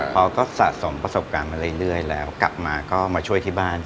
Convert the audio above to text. พอก็สะสมประสบการณ์มาเรื่อยแล้วกลับมาก็มาช่วยที่บ้าน